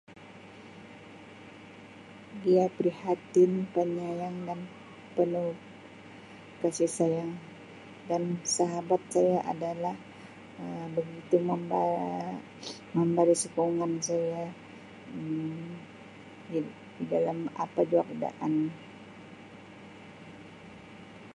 Dia prihatin, penyayang dan penuh kasih sayang dan sahabat saya adalah Um begitu mudah memberi sokongan saya Um di-di dalam apa jua keadaan.